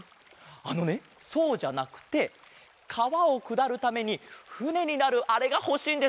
あのねそうじゃなくてかわをくだるためにふねになるあれがほしいんです。